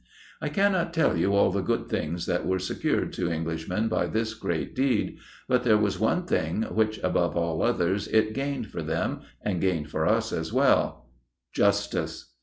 I cannot tell you all the good things that were secured to Englishmen by this great deed, but there was one thing which, above all others, it gained for them and gained for us as well Justice.